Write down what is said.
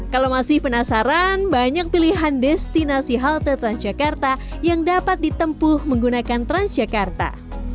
kalau masih penasaran banyak pilihan destinasi halte transjakarta yang dapat ditempuh menggunakan transjakarta